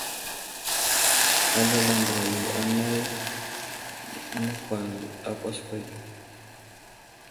Alal andra yo anay nəhwal a kwaskwa ge.